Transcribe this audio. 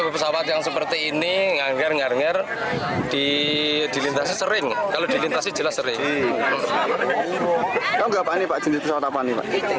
penumpangnya ada berapa tadi